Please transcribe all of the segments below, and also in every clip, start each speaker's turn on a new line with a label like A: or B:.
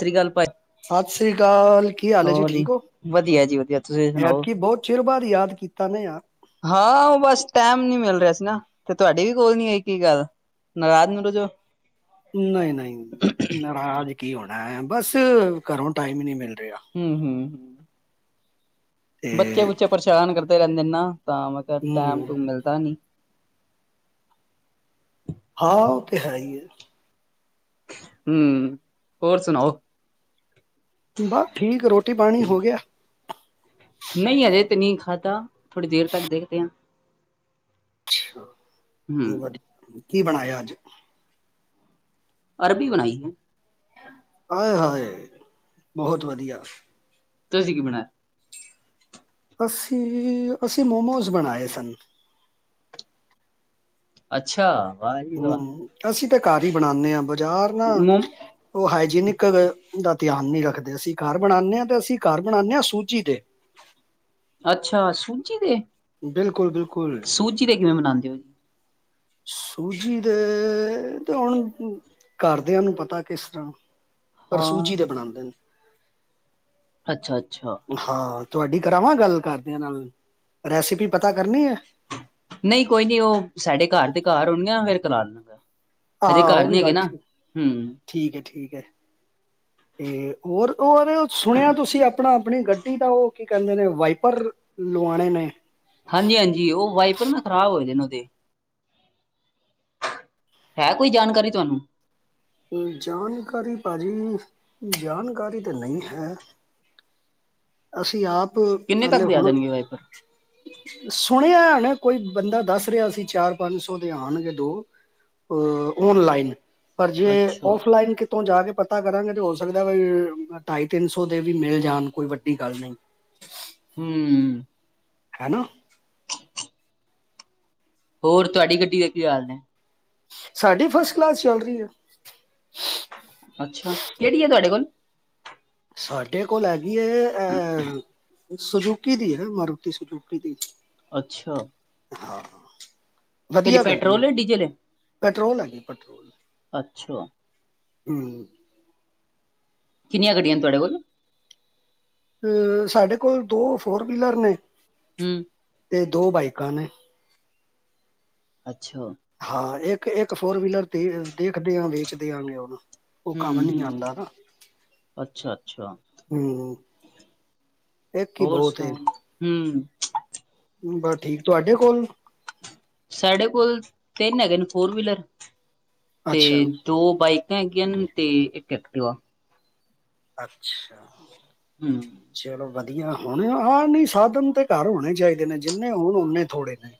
A: ਸਸਰੀ ਕਾਲ ਭਾ,
B: ਸਤਿ ਸ੍ਰੀ ਅਕਾਲ, ਕੀ ਹਾਲ ਐ ਜੀ, ਠੀਕ ਓ?
A: ਵਧੀਆ ਜੀ, ਵਧੀਆ ਤੁਸੀਂ ਸੁਣਾਓ
B: ਐਤਕੀ, ਬੋ ਚਿਰ ਬਾਦ ਯਾਦ ਕੀਤਾ ਨਾ ਯਾਰ।
A: ਹਾਂ, ਓ ਬਸ ਟੈਮ ਨੀ ਮਿਲ ਰਿਆ ਸੀ ਨਾ, ਤੇ ਤੁਹਾਡੀ ਵੀ ਕੋਲ ਨੀ ਆਈ ਕੀ ਗੱਲ? ਨਾਰਾਜ ਨਰੁਜ ਓ।
B: ਨਈ-ਨਈ, ਨਾਰਾਜ ਕੀ ਹੋਣਾ ਬਸ ਘਰੋਂ ਟਾਈਮ ਨੀ ਮਿਲ ਰਿਆ।
A: ਹੂੰ ਹੂੰ
B: ਤੇ
A: ਬੱਚੇ, ਬੁਚੇ ਪਰੇਸ਼ਾਨ ਕਰਦੇ ਰਹਿੰਦੇ ਨੇ ਨਾ, ਤਾਂ ਮੈਂ ਕਿਹਾ ਟੈਮ
B: ਹਮ,
A: ਟੂਮ ਮਿਲਦਾ ਨੀ
B: ਹਾਂ, ਉਹ ਤੇ ਹੈਈ ਐ।
A: ਹੂੰ, ਹੋਰ ਸੁਣਾਓ?
B: ਬਾ ਠੀਕ ਰੋਟੀ ਪਾਣੀ ਹੋ ਗਿਆ।
A: ਨਈ ਹਜੇ ਤੇ ਨੀ ਖਾਦਾ, ਥੋੜੀ ਦੇਰ ਤੱਕ ਦੇਖਦੇ ਆ ਹਮ
B: [unintelligible] ਕੀ ਬਣਾਇਆ ਅੱਜ?
A: ਅਰਬੀ ਬਣਾਈ।
B: ਆਏ ਹਾਏ, ਬਹੁਤ ਵਧੀਆ।
A: ਤੁਸੀਂ ਕੀ ਬਣਾਇਆ?
B: ਅਸੀਂ-ਅਸੀਂ, ਮੋਮੋਜ ਬਣਾਏ ਸਨ।
A: ਅੱਛਾ, ਵਾਹ ਜੀ ਵਾਹ
B: ਹੂੰ, ਅਸੀਂ ਤੇ ਘਰ ਈ ਬਣਾਨੇ ਆ ਬਾਜ਼ਾਰ ਨਾ
A: ਮ
B: ਓ, ਹਾਈਜੀਨਿਕ ਦਾ ਧਿਆਨ ਨੀ ਰੱਖਦੇ, ਅਸੀਂ ਘਰ ਬਣਾਨੇ ਆ, ਤੇ ਅਸੀਂ ਘਰ ਬਣਾਨੇ ਆ, ਸੂਜੀ ਦੇ
A: ਅੱਛਾ, ਸੂਜੀ ਦੇ!
B: ਬਿਲਕੁਲ-ਬਿਲਕੁਲ।
A: ਸੂਜੀ ਦੇ ਕਿਵੇਂ ਬਨਾਦੇ ਓ?
B: ਸੂਜੀ ਦੇ ਤੇ ਹੁਣ ਘਰਦਿਆਂ ਨੂੰ ਪਤਾ ਕਿਸ ਤਰ੍ਹਾਂ। ਪਰ ਸੂਜੀ
A: ਹਾਂ
B: ਦੇ ਬਣਾਂਦੇ ਨੇ।
A: ਅੱਛਾ-ਅੱਛਾ।
B: ਹਾਂ, ਤੁਹਾਡੀ ਕਰਾਵਾਂ ਗੱਲ ਘਰਦਿਆਂ ਨਾਲ, ਰੈਸਪੀ ਪਤਾ ਕਰਨੀ ਐ?
A: ਨਹੀਂ, ਕੋਈ ਨੀ ਓ ਸਾਡੇ ਘਰ ਦੇ ਘਰ ਹੋਣ ਗੇ ਨਾ, ਫੇਰ ਕਰਾ ਦੇਣਾ ਹਜੇ,
B: ਹਾਂ
A: ਘਰ
B: ਉਹ ਵੀ
A: ਨੀ ਹੈਗੇ
B: ਗੱਲ
A: ਨਾ,
B: ਠੀਕ
A: ਹੂੰ।
B: ਠੀਕ ਐ, ਠੀਕ ਐ। ਤੇ ਔਰ ਔਰ ਸੁਣਿਆ ਤੁਸੀਂ? ਆਪਣਾ ਆਪਣੀ ਗੱਡੀ ਦਾ ਓ ਕੀ ਕਹਿੰਦੇ ਨੇ ਵਾਈਪਰ ਲੁਆਣੇ ਨੇ।
A: ਹਾਂਜੀ-ਹਾਂਜੀ, ਓ ਵਾਈਪਰ ਨਾ ਖ਼ਰਾਬ ਹੋਏ ਦੇ ਨੇ ਓਹਦੇ ਹੈ, ਕੋਈ ਜਾਣਕਾਰੀ ਤੁਹਾਨੂੰ?
B: ਜਾਣਕਾਰੀ ਭਾਜੀ ਜਾਣਕਾਰੀ ਤੇ ਨਹੀਂ ਹੈ। ਅਸੀਂ ਆਪ
A: ਕਿੰਨੇ ਤੱਕ
B: ਮਤਲਬ
A: ਦੇ ਆ
B: ਹੁਣ
A: ਜਾਣਗੇ ਵਾਈਪਰ
B: ਸੁਣਿਆ ਹੋਣਾ ਕੋਈ ਬੰਦਾ ਦੱਸ ਰਿਹਾ ਸੀ ਚਾਰ ਪੰਜ ਸੌ ਦੇ ਆਣਗੇ ਦੋ। ਅ ਔਨਲਾਈਨ ਪਰ ਜੇ
A: ਅੱਛਾ
B: ਔਫਲਾਈਨ ਕਿਤੋਂ ਜਾ ਕੇ ਪਤਾ ਕਰਾਂਗੇ ਤੇ ਹੋ ਸਕਦਾ ਬ ਢਾਈ-ਤਿੰਨ ਸੌ ਦੇ ਵੀ ਮਿਲ ਜਾਣ ਕੋਈ ਵੱਡੀ ਗੱਲ ਨੀ।
A: ਹੂੰ।
B: ਹੈਨਾ।
A: ਹੋਰ ਤੁਹਾਡੀ ਗੱਡੀ ਦੇ ਕੀ ਹਾਲ ਨੇ?
B: ਸਾਡੀ ਫਸਟ ਕਲਾਸ ਚੱਲ ਰੀ ਐ।
A: ਅੱਛਾ, ਕਿਹੜੀ ਐ ਤੁਹਾਡੇ ਕੋਲ?
B: ਸਾਡੇ ਕੋਲ ਹੈਗੀ ਐ ਅਹ ਸੁਜੂਕੀ ਦੀ ਐ ਮਾਰੂਤੀ ਸੁਜੂਕੀ ਦੀ।
A: ਅੱਛਾ,
B: ਹਾਂ,
A: ਕਿਹੜੀ
B: ਵਧੀਆ ਗੱਡੀ ਏ
A: ਪੈਟਰੋਲ ਹੈ ਡੀਜ਼ਲ ਹੈ
B: ਪੈਟਰੋਲ ਹੈਗੀ ਪੈਟਰੋਲ।
A: ਅੱਛਾ
B: ਹੂੰ,
A: ਕਿੰਨੀਆਂ ਗੱਡੀਆਂ ਨੇ ਤੁਹਾਡੇ ਕੋਲ?
B: ਅ ਸਾਡੇ ਕੋਲ ਦੋ ਫੋਰ ਵੀਲਰ ਨੇ
A: ਹੂੰ,
B: ਤੇ ਦੋ ਬਾਈਕਾਂ ਨੇ।
A: ਅੱਛਾ,
B: ਹਾਂ, ਇੱਕ ਇੱਕ ਫੋਰ ਵੀਲਰ ਦੇ ਦੇਖਦੇ ਆ ਵੇਚ ਦਿਆਂਗੇ ਓ ਵੀ। ਓ
A: ਹੂੰ
B: ਕੰਮ ਨੀ
A: ਹੂੰ,
B: ਜਾਂਦਾ ਨਾ
A: ਅੱਛਾ ਅੱਛਾ
B: ਹੂੰ, ਇੱਕ ਈ
A: ਹੋਰ
B: ਬੋਤ ਐ।
A: ਸੁਣਾਓ ਹੂੰ,
B: ਬਸ ਠੀਕ ਤੁਹਾਡੇ ਕੋਲ?
A: ਸਾਡੇ ਕੋਲ ਤਿੰਨ ਹੈਗੇ ਨੇ ਫੋਰ ਵੀਲਰ ਤੇ
B: ਅੱਛਾ
A: ਦੋ ਬਾਈਕਾਂ ਹੈਗੀਆਂ ਨੇ ਤੇ ਇੱਕ ਐਕਟਿਵਾ।
B: ਅੱਛਾ,
A: ਹੂੰ,
B: ਚਲੋ ਵਧੀਆ ਹੁਣ ਆ ਨਈ ਸਾਧਨ ਤੇ ਘਰ ਹੋਣੇ ਚਾਹੀਦੇ ਨੇ ਜਿੰਨੇ ਹੋਣ ਓਨੇ ਥੋੜੇ ਨੇ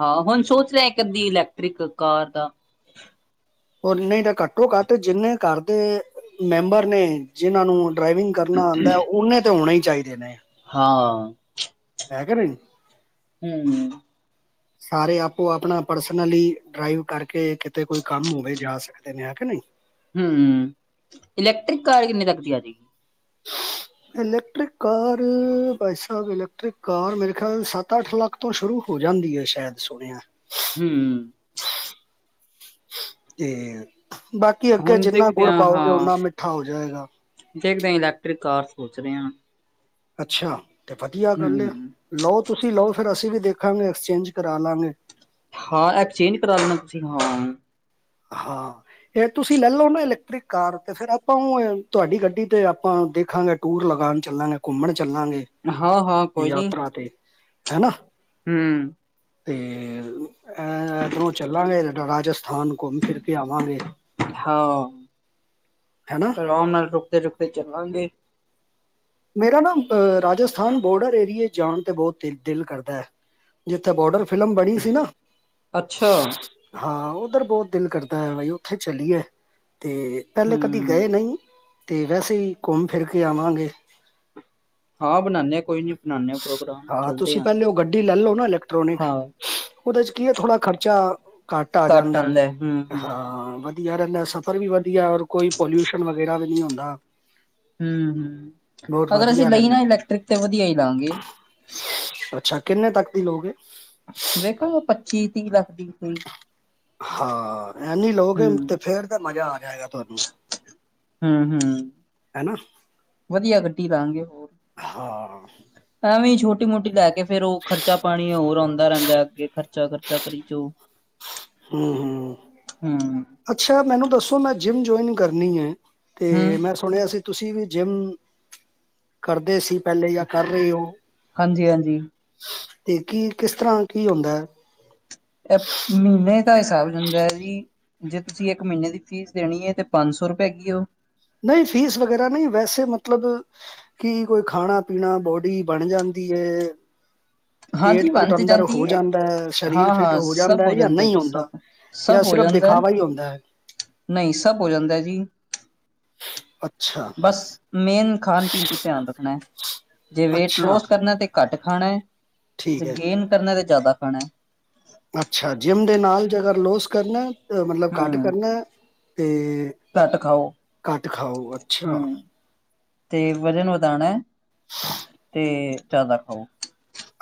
A: ਹਾਂ ਹੁਣ ਸੋਚ ਰੇ ਆ ਇੱਕ ਅੱਧੀ ਇਲੈਕਟ੍ਰਿਕ ਕਾਰ ਦਾ
B: ਹੋਰ ਨਹੀਂ ਤਾਂ ਘੱਟੋ ਘੱਟ ਜਿੰਨੇ ਘਰ ਦੇ ਮੈਂਬਰ ਨੇ ਜਿਹਨਾਂ ਨੂੰ ਡਰਾਈਵਿੰਗ ਕਰਨਾ ਆਂਦਾ ਓਨੇ ਤੇ ਹੋਣੇ ਈ ਚਾਹੀਦੇ ਨੇ।
A: ਹਾਂ।
B: ਹੈ ਕੇ ਨਹੀਂ।
A: ਹੂੰ,
B: [inaudible] ਸਾਰੇ ਆਪੋ ਆਪਣਾ ਪਰਸਨਲੀ ਡਰਾਈਵ ਕਰਕੇ ਕਿਤੇ ਕੋਈ ਕੰਮ ਹੋਵੇ ਜਾ ਸਕਦੇ ਨੇ ਹੈ ਕੇ ਨਹੀਂ।
A: ਹੂੰ, ਇਲੈਕਟ੍ਰਿਕ ਕਾਰ ਕਿੰਨੇ ਤੱਕ ਦੀ ਆਜੇਗੀ?
B: [unintelligible] ਇਲੈਕਟ੍ਰਿਕ ਕਾਰ ਭਾਈ ਸਾਬ ਇਲੈਕਟ੍ਰਿਕ ਕਾਰ ਮੇਰੇ ਖਿਆਲ ਸੱਤ ਅੱਠ ਲੱਖ ਤੋਂ ਸ਼ੁਰੂ ਹੋ ਜਾਂਦੀ ਐ ਸ਼ੈਦ ਸੁਣਿਆ।
A: ਹੂੰ,
B: ਤੇ ਬਾਕੀ ਅੱਗੇ
A: ਹੁਣ
B: ਜਿੰਨਾ
A: ਦੇਖਦੇ
B: ਗੁੜ
A: ਹਾਂ
B: ਪਾਓਗੇ
A: ਹਾਂ
B: ਓਨਾ ਮਿੱਠਾ ਹੋ ਜਾਏਗਾ
A: ਦੇਖਦੇ ਇਲੈਕਟ੍ਰਿਕ ਕਾਰ ਸੋਚਰੇ ਹਾਂ
B: ਅੱਛਾ, ਤੇ ਵਧੀਆ ਗੱਲ ਏ
A: ਹੂੰ।
B: ਲਓ ਤੁਸੀਂ ਲਓ ਫਿਰ ਅਸੀਂ ਵੀ ਦੇਖਾਂਗੇ ਐਕਸਚੇਂਜ ਕਰਾ ਲਵਾਂਗੇ
A: ਹਾਂ ਐਕਸਚੇਂਜ ਕਰਾ ਲੈਣਾ ਤੁਸੀਂ ਹਾਂ
B: ਹਾਂ ਫਿਰ ਤੁਸੀਂ ਲੈ ਲਓ ਨਾ ਇਲੈਕਟ੍ਰਿਕ ਕਾਰ ਤੇ ਫੇਰ ਆਪਾਂ ਉਹ ਤੁਹਾਡੀ ਗੱਡੀ ਤੇ ਆਪਾਂ ਦੇਖਾਂਗੇ ਟੂਰ ਲਗਾਨ ਚੱਲਾਂਗੇ ਘੁੰਮਣ ਚੱਲਾਂਗੇ
A: ਹਾਂ ਹਾਂ ਕੋਈ ਨੀ
B: ਯਾਤਰਾ ਤੇ ਹੈਨਾ
A: ਹੂੰ।
B: ਤੇ ਐ ਇਧਰੋਂ ਚੱਲਾਂਗੇ ਰਾਜਸਥਾਨ ਘੁੰਮ ਫਿਰ ਕੇ ਆਵਾਂਗੇ।
A: ਹਾਂ।
B: ਹੈਨਾ।
A: ਰਾਮ ਨਾਲ ਰੁਕਦੇ ਰੁਕਦੇ ਚੱਲਾਂਗੇ।
B: ਮੇਰਾ ਨਾ ਆ ਰਾਜਸਥਾਨ ਬੋਡਰ ਏਰੀਏ ਜਾਣ 'ਤੇ ਬਹੁਤ ਦਿਲ ਦਿਲ ਕਰਦਾ ਹੈ। ਜਿੱਥੇ ਬੋਰਡਰ ਫਿਲਮ ਬਣੀ ਸੀ ਨਾ।
A: ਅੱਛਾ
B: ਹਾਂ, ਉਧਰ ਬਹੁਤ ਦਿਲ ਕਰਦਾ ਹੈ, ਬਈ ਉੱਥੇ ਚਲੀਏ ਤੇ ਪਹਿਲੇ ਕਦੀ
A: ਹੂੰ।
B: ਗਏ ਨਹੀਂ, ਤੇ ਵੈਸੇ ਹੀ ਘੁੰਮ ਫਿਰ ਕੇ ਆਵਾਂਗੇ।
A: ਹਾਂ ਬਣਾਉਨੇ ਕੋਈ ਨੀ। ਬਣਾਨੇ ਆ ਪ੍ਰੋਗਰਾਮ
B: ਹਾਂ,
A: ਚਲਦੇ
B: ਤੁਸੀਂ
A: ਆ
B: ਪਹਿਲੇ ਉਹ ਗੱਡੀ ਲੈਲੋ ਨਾ ਇਲੈਕਟ੍ਰੋਨਿਕ।
A: ਹਾਂ।
B: ਉਹਦੇ 'ਚ ਕੀ ਐ, ਥੋੜਾ ਖਰਚਾ ਘੱਟ ਆ ਜਾਂਦਾ ਐ,
A: ਆਂਦਾ ਹੂੰ ਹੂੰ
B: ਹਾਂ ਵ ਯਾਰ ਇੰਨਾ ਸਫ਼ਰ ਵੀ ਵਧੀਆ ਔਰ ਕੋਈ ਪੋਲਿਊਸ਼ਨ ਵਗੈਰਾ ਵੀ ਨੀ ਹੁੰਦਾ।
A: ਹੂੰ ਹੂੰ,
B: ਬਹੁਤ
A: ਅਗਰ ਅਸੀਂ
B: ਵਧੀਆ
A: ਲਈਏ
B: ਰਹਿੰਦਾ
A: ਨਾ ਇਲੈਕਟ੍ਰਿਕ ਤੇ ਵਧੀਆ ਹੀ ਲਵਾਂਗੇ।
B: ਅੱਛਾ, ਕਿੰਨੇ ਤੱਕ ਦੀ ਲਓਗੇ?
A: ਵੇਖੋ ਲਓ ਪੱਚੀ ਤੀਹ ਲੱਖ ਦੀ ਹੋਈ।
B: ਹਾਂ, ਐਨੀ ਲਓਗੇ
A: ਹੂੰ
B: ਤੇ ਫੇਰ ਤੇ ਮਜ਼ਾ ਆ ਜਾਏਗਾ ਤੁਹਾਨੂੰ।
A: ਹੂੰ ਹੂੰ,
B: ਹੈਨਾ
A: ਵਧੀਆ ਗੱਟੀ ਲਵਾਂਗੇ ਹੋਰ।
B: ਹਾਂ
A: ਐਵੇਂ ਛੋਟੀ ਮੋਟੀ ਲੈ ਕੇ, ਫੇਰ ਉਹ ਖਰਚਾ ਪਾਣੀ ਹੋਰ ਹੁੰਦਾ ਰਹਿੰਦਾ ਅੱਗੇ, ਖਰਚਾ ਖਰਚਾ ਕਰੀ ਜਚੋ।।
B: ਹੂੰ ਹੂੰ,
A: ਹੂੰ
B: ਅੱਛਾ ਮੈਨੂੰ ਦੱਸੋ ਮੈਂ ਜਿੰਮ ਜੁਆਇਨ ਕਰਨੀ ਏ। ਤੇ
A: ਹੂੰ
B: ਮੈਂ ਸੁਣਿਆ ਸੀ ਤੁਸੀਂ ਵੀ ਜਿੰਮ ਕਰਦੇ ਸੀ ਪਹਿਲੇ ਜਾਂ ਕਰ ਰੇ ਹੋ।
A: ਹਾਂਜੀ- ਹਾਂਜੀ।
B: ਤੇ ਕੀ ਕਿਸ ਤਰ੍ਹਾਂ ਕੀ ਹੁੰਦਾ ਹੈ?
A: ਐ ਮਹੀਨੇ ਦਾ ਹਿਸਾਬ ਜਾਂਦਾ ਹੈ ਜੀ। ਜੇ ਤੁਸੀਂ ਇੱਕ ਮਹੀਨੇਂ ਦੀ ਫੀਸ ਦੇਣੀ ਐ, ਤੇ ਪੰਜ ਸੌ ਰੁਪਏ ਹੈਗੀ ਓ।
B: ਨਹੀਂ ਫੀਸ ਵਗੈਰਾ ਨੀ ਵੈਸੇ ਮਤਲਬ ਕੀ ਕੋਈ ਖਾਣਾ ਪੀਣਾ ਬੋਡੀ ਬਣ ਜਾਂਦੀ ਏ। ਪੇਟ
A: ਹਾਂਜੀ
B: ਪੂਟ
A: ਬਣ ਤੇ
B: ਅੰਦਰ ਹੋ
A: ਜਾਂਦੀ
B: ਜਾਂਦਾ ਹੈ,
A: ਹਾਂ
B: ਸਰੀਰ ਫਿੱਟ
A: ਹਾਂ
B: ਹੋ
A: ਸਭ
B: ਜਾਂਦਾ ਐ ਜਾਂ ਨਹੀਂ
A: ਜੀ
B: ਹੁੰਦਾ?
A: ਸਭ
B: ਜਾਂ ਸਿਰਫ਼ ਦਿਖਾਵਾ ਹੀ ਹੁੰਦਾ ਹੈ।
A: ਨਹੀ ਸਭ ਹੋ ਜਾਂਦਾ ਜੀ।
B: ਅੱਛਾ।
A: ਬਸ ਮੇਨ ਖਾਣ ਪੀਣ ਤੇ ਧਿਆਨ ਰੱਖਣਾ ਹੈ, ਜੇ ਵੇਟ
B: ਅੱਛਾ
A: ਲੋਸ ਕਰਨਾ ਤੇ ਘੱਟ ਖਾਣਾ ਹੈ, ਜੇ
B: ਠੀਕ ਹੈ
A: ਗੇਨ ਕਰਨਾ ਤਾਂ ਜ਼ਿਆਦਾ ਖਾਣਾ।
B: ਅੱਛਾ, ਜਿੰਮ ਦੇ ਨਾਲ ਜੇਗਰ ਲੋਸ ਕਰਨਾ, ਮਤਲਬ
A: ਹੈ
B: ਘੱਟ
A: ਹੂੰ
B: ਕਰਨਾ ਤੇ
A: ਘੱਟ ਖਾਓ,
B: ਘੱਟ ਖਾਓ
A: ਹੂੰ।
B: ਅੱਛਾ
A: ਤੇ ਵਜ਼ਨ ਵਧਾਉਣਾ ਹੈ, ਤੇ ਜ਼ਿਆਦਾ ਖਾਓ।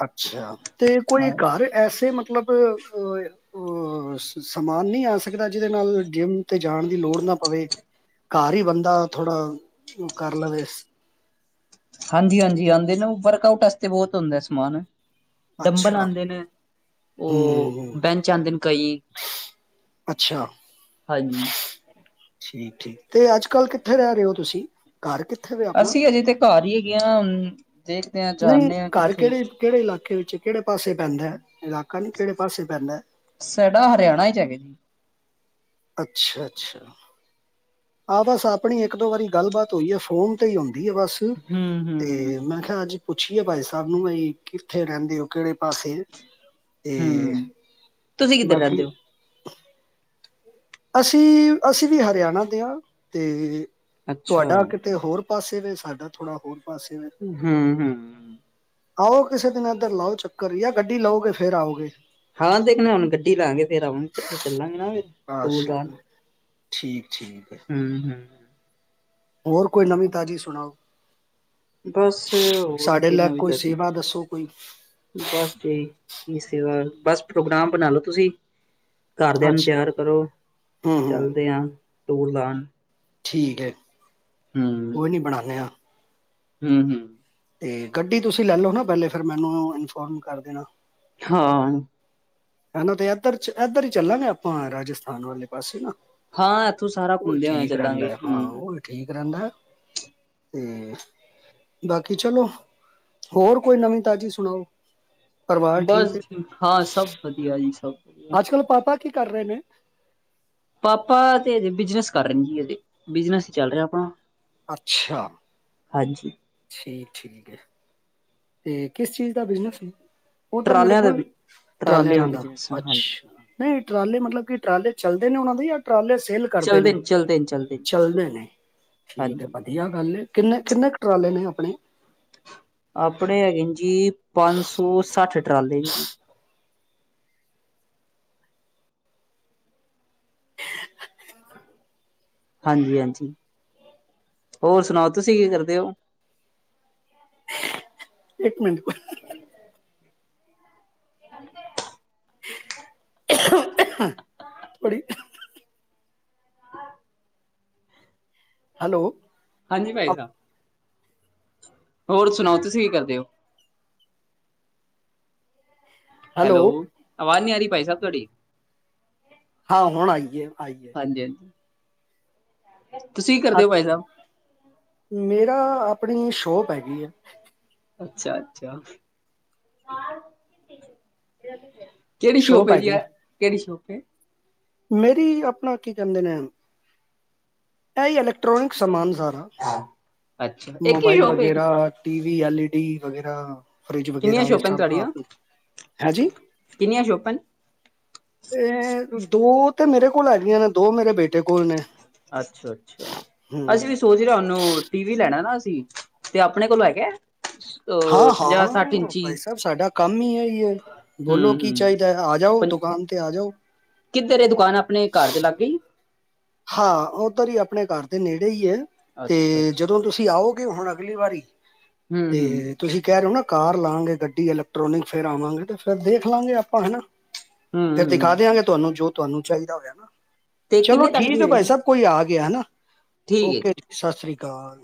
B: ਅੱਛਾ, ਤੇ ਕੋਈ
A: ਹਾਂ
B: ਘਰ ਐਸੇ ਮਤਲਬ ਅ ਅ ਅ ਸ ਸਮਾਨ ਨੀ ਆ ਸਕਦਾ, ਜਿਹਦੇ ਨਾਲ ਜਿੰਮ ਤੇ ਜਾਣ ਦੀ ਲੋੜ ਨਾ ਪਵੇ? ਘਰ ਈ ਬੰਦਾ ਥੋੜਾ ਓ ਕਰ ਲਵੇ।
A: ਹਾਂਜੀ-ਹਾਂਜੀ, ਆਂਦੇ ਨੇ ਓ ਵਰਕ ਆਊਟ ਵਾਸਤੇ ਬਹੁਤ ਹੁੰਦਾ ਸਮਾਨ। ਡੰਬਨ
B: ਅੱਛਾ
A: ਆਂਦੇ ਨੇ,
B: ਹੂੰ
A: ਓ
B: ਹੂੰ,
A: ਬੈਂਚ ਆਂਦੇ ਨੇ ਕਈ।
B: ਅੱਛਾ
A: ਹਾਂਜੀ
B: ਠੀਕ ਠੀਕ, ਤੇ ਅੱਜ ਕੱਲ ਕਿੱਥੇ ਰਹਿ ਰੇ ਓ ਤੁਸੀਂ? ਘਰ ਕਿੱਥੇ ਵੇ? ਆਪਣਾ
A: ਅਸੀਂ ਹਜੇ ਤੇ ਘਰ ਈ ਹੈਗੇ ਆ, ਦੇਖਦੇ ਆ
B: ਨਹੀਂ
A: ਜਾਣੇ ਆ
B: ਘਰ
A: ਕਿੱਥੇ।
B: ਕਿਹੜੇ ਕਿਹੜੇ ਇਲਾਕੇ ਵਿੱਚ, ਕਿਹੜੇ ਪਾਸੇ ਪੈਂਦਾ ਇਲਾਕਾ ਨੀ ਕਿਹੜੇ ਪਾਸੇ ਪੈਂਦਾ?
A: ਸਾਡਾ ਹਰਿਆਣਾ ਵਿੱਚ ਹੈਗਾ ਜੀ।
B: ਅੱਛਾ-ਅੱਛਾ। ਹਾਂ, ਬਸ ਆਪਣੀ ਇੱਕ ਦੋ ਵਾਰੀ ਗੱਲਬਾਤ ਹੋਈ ਐ, ਫੋਨ ਤੇ ਈ ਹੁੰਦੀ ਐ ਬਸ।
A: ਹੂੰ ਹੂੰ
B: ਤੇ ਮੈਂ ਖਿਆ ਅੱਜ ਪੁੱਛੀਏ ਭਾਈ ਸਾਬ ਨੂੰ ਬਈ ਕਿੱਥੇ ਰਹਿੰਦੇ ਓ ਕਿਹੜੇ ਪਾਸੇ? ਤੇ
A: ਹੂੰ ਤੁਸੀਂ ਕਿੱਧਰ ਰਹਿੰਦੇ
B: ਬਾਕੀ
A: ਹੋ?
B: ਅਸੀਂ ਅਸੀਂ ਵੀ ਹਰਿਆਣਾ ਦੇ ਆ ਤੇ
A: ਅੱਛਾ
B: ਤੁਹਾਡਾ ਕਿਤੇ ਹੋਰ ਪਾਸੇ ਵੈ ਸਾਡਾ ਥੋੜਾ ਹੋਰ ਪਾਸੇ ਵੈ।
A: ਹੂੰ ਹੂੰ,
B: ਆਓ ਕਿਸੇ ਦਿਨ ਇੱਧਰ ਲਾਓ ਚੱਕਰ ਜਾਂ ਗੱਡੀ ਲਓਗੇ ਫੇਰ ਆਓਗੇ।
A: ਹਾਂ, ਦੇਖਣਾ ਹੁਣ ਗੱਡੀ ਲਾਂਗੇ ਫੇਰ ਆਵਾਂ ਇਕੱਠੇ ਚੱਲਾਂਗੇ ਨਾ ਫਿਰ। ਟੂਰ
B: ਅੱਛਾ
A: ਲਾਣ
B: ਠੀਕ ਠੀਕ।
A: ਹੂੰ ਹੂੰ,
B: ਹੋਰ ਕੋਈ ਨਵੀਂ ਤਾਜ਼ੀ ਸੁਣਾਓ?
A: ਬਸ ਹੋਰ
B: ਸਾਡੇ
A: ਕੀ
B: ਲੈਕ
A: ਨਵੀ
B: ਕੋਈ
A: ਤਾਜੀ
B: ਸੇਵਾ ਦੱਸੋ ਕੋਈ?
A: ਬਸ ਜੀ ਕੀ ਸੇਵਾ ਬਸ ਪ੍ਰੋਗਰਾਮ ਬਣਾਲੋ ਤੁਸੀਂ। ਘਰਦਿਆਂ ਨੂੰ
B: ਅੱਛਾ
A: ਤਿਆਰ ਕਰੋ
B: ਹੂੰ ਹੂੰ
A: ਚੱਲਦੇ ਆ ਟੂਰ ਲਾਣ।
B: ਠੀਕ ਐ
A: ਹੂੰ
B: ਕੋਈ ਨੀ ਬਨਾਨੇ ਆ।
A: ਹੂੰ ਹੂੰ,
B: ਤੇ ਗੱਡੀ ਤੁਸੀਂ ਲੈ ਲੋ ਨਾ ਪਹਿਲੇ ਫਿਰ ਮੈਨੂੰ ਇਨਫੋਰਮ ਕਰ ਦੇਣਾ।
A: ਹਾਂ।
B: ਹਨਾ ਤੇ ਇਧਰ ਚ ਇੱਧਰ ਈ ਚੱਲਾਂਗੇ ਆਪਾਂ ਰਾਜਸਥਾਨ ਵਾਲੇ ਪਾਸੇ ਨਾ।
A: ਹਾਂ ਇੱਥੋਂ ਸਾਰਾ
B: ਓਹੀ
A: ਘੁੰਮਦੇ ਹੋਏ
B: ਠੀਕ ਰਹਿੰਦਾ
A: ਚੱਲਾਂਗੇ
B: ਹਾਂ
A: ਹੂੰ।
B: ਓਹੀ। ਠੀਕ ਰਹਿੰਦਾ ਤੇ ਬਾਕੀ ਚਲੋ ਹੋਰ ਕੋਈ ਨਵੀਂ ਤਾਜ਼ੀ ਸੁਣਾਓ? ਪਰਿਵਾਰ ਠੀਕ
A: ਬਸ
B: ਹੈ
A: ਜੀ ਹਾਂ ਸਭ ਵਧੀਆ ਜੀ ਸਭ। ਵਧੀਆ।
B: ਅੱਜ ਕੱਲ ਪਾਪਾ ਕੀ ਕਰ ਰਹੇ ਨੇ?
A: ਪਾਪਾ ਤੇ ਹਜੇ ਬਿਜਨਸ ਕਰ ਰੇ ਨੇ ਜੀ ਹਜੇ ਬਿਜਨਸ ਚੱਲ ਰਿਆ ਆਪਣਾ।
B: ਅੱਛਾ।
A: ਹਾਂਜੀ।
B: ਠੀਕ ਠੀਕ ਐ। ਤੇ ਕਿਸ ਚੀਜ਼ ਦਾ ਬਿਜਨਸ ਓਧਰ ਮੇਰੇ
A: ਟਰਾਲਿਆਂ ਦਾ
B: ਖਿਆਲ ਟਰਾਲਿਆਂ ਦਾ ਅੱਛਾ। ਨਈ ਟਰਾਲੇ ਮਤਲਬ ਕਿ ਟਰਾਲੇ ਚੱਲਦੇ ਨੇ ਉਹਨਾਂ ਦੇ ਜਾ ਟਰਾਲੇ ਸੇਲ, ਕਰਦੇ
A: ਚੱਲਦੇ
B: ਨੇ
A: ਚੱਲਦੇ ਨੇ ਨੇ ਜੀ।
B: ਚੱਲਦੇ ਨੇ ਠੀਕ ਐ।
A: ਹਾਂਜੀ
B: ਵਧੀਆ ਗੱਲ ਐ ਕਿੰਨੇ ਕਿੰਨੇ ਕ ਟਰਾਲੇ ਨੇ ਆਪਣੇ?
A: ਆਪਣੇ ਹੈਗੇ ਨੇ ਜੀ ਪੰਜ ਸੌ ਸੱਠ ਟਰਾਲੇ ਨੇ ਜੀ। ਹਾਂਜੀ ਹਾਂਜੀ, ਹੋਰ ਸੁਣਾਓ ਤੁਸੀਂ ਕੀ ਕਰਦੇ ਓ?
B: ਇੱਕ ਮਿੰਟ
A: ਅ
B: ਥੋੜੀ ਹੈਲੋ
A: ਹਾਂਜੀ ਭਾਈ ਸਾਹਿਬ ਹੋਰ ਸੁਣਾਓ ਤੁਸੀਂ ਕੀ ਕਰਦੇ ਹੋ ਹੈਲੋ ਆਵਾਜ਼ ਨੀ ਆ ਰਹੀ ਭਾਈ ਸਾਬ ਤੁਹਾਡੀ
B: ਹਾਂ ਹੁਣ ਆਈਏ ਆਈਏ
A: ਹਾਂਜੀ ਹਾਂਜੀ ਤੁਸੀਂ
B: ਹ
A: ਕਰਦੇ ਹੋ ਭਾਈ ਸਾਹਿਬ
B: ਮੇਰਾ ਆਪਣੀ ਸ਼ੋਪ ਹੈਗੀ ਹੈ
A: ਅੱਛਾ ਅੱਛਾ ਕਿਹੜੀ ਸ਼ੋਪ ਹੈ ਜੀ ਆ ਕਿਹੜੀ ਸ਼ੋਪ ਏ
B: ਮੇਰੀ ਆਪਣਾ ਕੀ ਕਹਿੰਦੇ ਨੇ ਇਹ ਹੀ ਏ ਅਲੈਕਟ੍ਨਿਕ ਸਮਾਨ ਸਾਰਾ
A: ਅੱਛਾ ਇੱਕ ਹੀ
B: ਮੋਬਾਈਲ
A: ਸ਼ੋਪ ਹੈ
B: ਵਗੈਰਾ T V L E D ਵਗੈਰਾ ਫਰਿਜ
A: ਕਿੰਨੀਆਂ
B: ਵਗੈਰਾ ਇਹ
A: ਸ਼ੋਪਾਂ ਨੇ
B: ਸਭ
A: ਤੁਹਾਡੀਆਂ
B: ਆਪ ਹੈ ਜੀ।
A: ਕਿੰਨੀਆਂ ਸ਼ੋਪਾਂ ਨੇ
B: ਇਹ ਦੋ ਤੇ ਮੇਰੇ ਕੋਲ ਹੈਗੀਆਂ ਨੇ ਦੋ ਮੇਰੇ ਬੇਟੇ ਕੋਲ ਨੇ।
A: ਅੱਛਾ ਅੱਛਾ
B: ਹੂੰ
A: ਅਸੀ ਵੀ ਤੋ ਜਰਾ ਉਹਨੂੰ ਟੀ ਵੀ ਲੈਣਾ ਨਾ ਅਸੀਂ ਤੇ ਆਪਣੇ ਕੋਲੋਂ ਹੈਗੇ।
B: ਹਾਂ ਹਾਂ ਭਾਈ ਸਾਹਿਬ ਸਾਡਾ ਕੰਮ ਹੀ ਏਹੀ ਹੈ।
A: ਹੂੰ
B: ਬੋਲੋ ਕੀ ਚਾਹੀਦਾ
A: ਹੂੰ
B: ਹੈ ਆ ਜਾਓ ਦੁਕਾਨ ਤੇ ਆ ਜਾਓ।
A: ਕਿੱਧਰ ਇਹ ਦੁਕਾਨ ਆਪਣੇ ਘਰ ਦੇ ਲਾਗੇ ਹੀ ਏ
B: ਹਾਂ ਉਧਰ ਹੀ ਆਪਣੇ ਘਰ ਦੇ ਨੇੜੇ ਹੀ ਹੈ
A: ਅੱਛਾ
B: ਤੇ
A: ਅੱਛਾ
B: ਜਦੋਂ ਤੁਸੀਂ ਆਓ ਵੀ ਹੁਣ ਅਗਲੀ ਵਾਰੀ
A: ਹੂੰ ਹੂੰ
B: ਤੇ ਤੁਸੀਂ ਕਹਿ ਰਹੇ ਹੋ ਨਾ ਕਾਰ ਲਾਵਾਂਗੇ ਗੱਡੀ ਇਲੈਕਟ੍ਰੋਨਿਕ ਫੇਰ ਆਵਾਂਗੇ ਫਿਰ ਦੇਖ ਲਵਾਂਗੇ ਆਪਾਂ ਹਨਾ।
A: ਹੂੰ
B: ਫੇਰ ਦਿਖਾ
A: ਹੂੰ
B: ਦਿਆਂਗੇ ਤੁਹਾਨੂੰ ਜੋ ਤੁਹਾਨੂੰ ਚਾਹੀਦਾ ਹੋਇਆ ਨਾ।
A: ਤੇ
B: ਚਲੋ
A: ਕਿੰਨੇ ਤੱਕ। ਦੀ
B: ਠੀਕ ਭਾਈ
A: ਹੋਏਗੀ
B: ਸਾਹਿਬ ਕੋਈ ਆ ਗਿਆ ਹਨਾ
A: ਠੀਕ ਹੈ
B: ਓਕੇ ਜੀ ਸਤਿ ਸ੍ਰੀ ਅਕਾਲ।